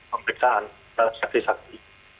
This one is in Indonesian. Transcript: pemeriksaan terhadap saksi saksi